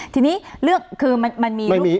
ทีนี้เลือกคือมันมีรูป